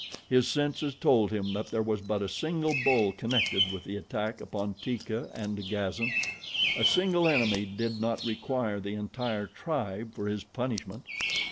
His senses told him that there was but a single bull connected with the attack upon Teeka and Gazan. A single enemy did not require the entire tribe for his punishment.